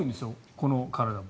この体も。